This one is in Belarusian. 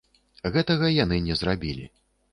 Гэтага яны не зрабілі.